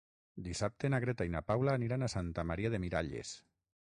Dissabte na Greta i na Paula aniran a Santa Maria de Miralles.